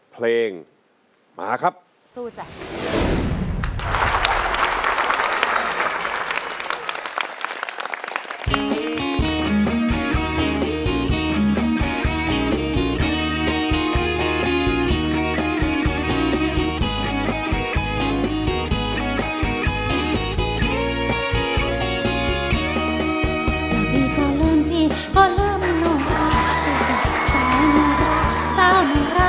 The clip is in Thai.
เพลงมาครับสู้จ้ะ